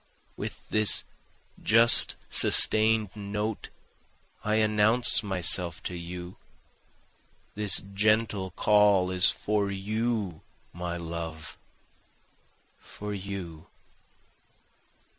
With this just sustain'd note I announce myself to you, This gentle call is for you my love, for you.